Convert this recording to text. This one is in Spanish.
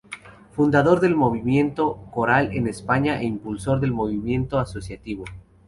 Fundador del movimiento coral en España e impulsor del movimiento asociativo.